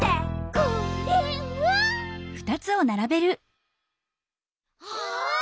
「こ、れ、は？」あ！